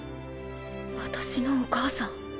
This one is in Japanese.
私のお母さん。